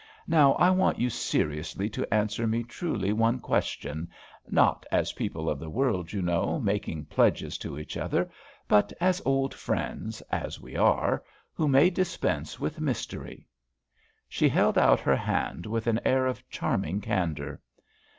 Now I want you seriously to answer me truly one question, not as people of the world, you know, making pledges to each other, but as old friends, as we are, who may dispense with mystery." She held out her hand with an air of charming candour.